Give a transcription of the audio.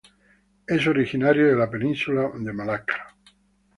Es originario de la Península de Malaca